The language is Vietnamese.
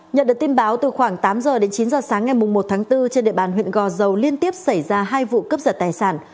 nhận được tin báo từ khoảng tám giờ đến chín giờ sáng ngày một tháng bốn trên địa bàn huyện gò dầu liên tiếp xảy ra hai vụ cấp giật tài sản